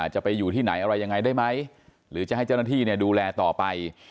จะไปอยู่ที่ไหนอะไรยังไงได้ไหมหรือจะให้เจ้าหน้าที่ดูแลต่อไป